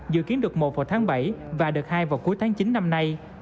dự kiến đợt một vào tháng bảy và đợt hai vào cuối tháng chín năm nay